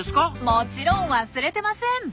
もちろん忘れてません。